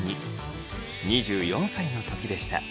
２４歳の時でした。